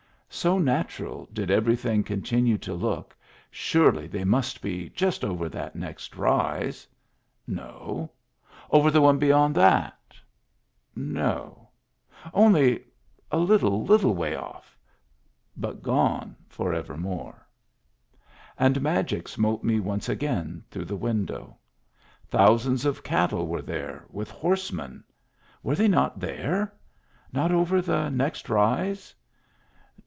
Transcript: So natural did every thing continue to look, surely they must be just over that next rise ! No ; over the one beyond that ? No_; only a little, little way off, but gone for evermore I And magic smote me once again through the window. Thousands of cattle were there, with horsemen. Were they not there? Not over the next rise?